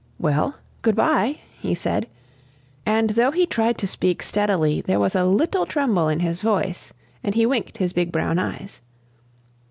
"Well, good bye," he said; and though he tried to speak steadily, there was a little tremble in his voice and he winked his big brown eyes.